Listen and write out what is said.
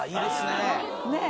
ねえ？